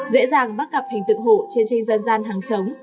dễ dàng bắt gặp hình tượng hổ trên tranh dân gian hàng chống